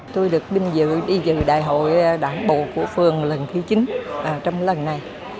tôi được binh dự đi dự đại hội đảng bộ của phường lần thứ chín trong lần này